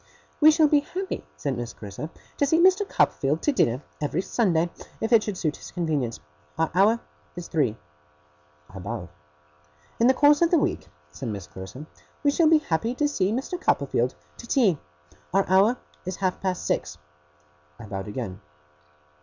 'We shall be happy,' said Miss Clarissa, 'to see Mr. Copperfield to dinner, every Sunday, if it should suit his convenience. Our hour is three.' I bowed. 'In the course of the week,' said Miss Clarissa, 'we shall be happy to see Mr. Copperfield to tea. Our hour is half past six.' I bowed again.